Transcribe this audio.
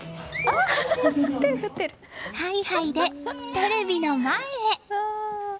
ハイハイで、テレビの前へ！